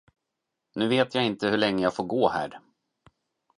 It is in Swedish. Nu vet jag inte hur länge jag får gå här.